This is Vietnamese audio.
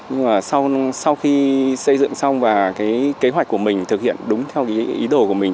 nhưng mà sau khi xây dựng xong và cái kế hoạch của mình thực hiện đúng theo ý đồ của mình